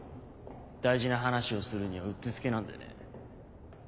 大事な話をするにはうってつけなんでね。